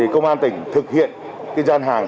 công an tỉnh thực hiện gian hàng